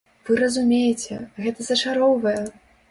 Вы разумееце, гэта зачароўвае!